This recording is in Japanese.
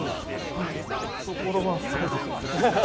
懐は深いですよ。